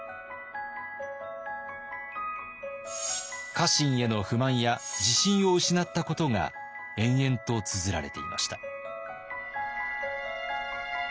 家臣への不満や自信を失ったことが延々とつづられていました。